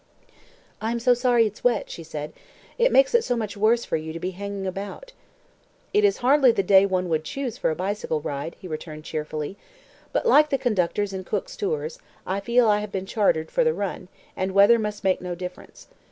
"I am so sorry it's wet," she said. "It makes it so much worse for you to be hanging about." "It is hardly the day one would choose for a bicycle ride," he returned cheerfully; "but, like the conductors in Cook's Tours, I feel I have been chartered for the run, and weather must make no difference.